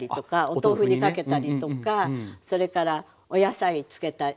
お豆腐にかけたりとかそれからお野菜つけて食べたり。